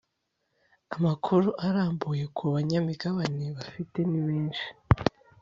Amakuru arambuye ku banyamigabane bafite nimeshi